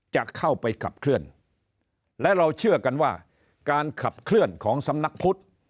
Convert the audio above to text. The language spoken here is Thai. จะเข้าไปขับเคลื่อนและเราเชื่อกันว่าการขับเคลื่อนของสำนักพุทธ